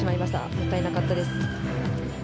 もったいなかったですね。